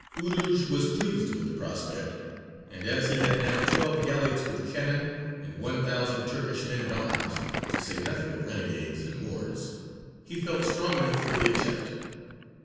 Urūj was pleased with the prospect, and as he had now twelve galleots with cannon, and one thousand Turkish men at arms, to say nothing of renegades and Moors, he felt strong enough for the attempt.